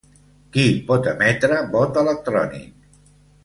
Qui pot emetre vot electrònic?